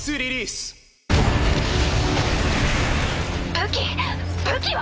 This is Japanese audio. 武器武器は？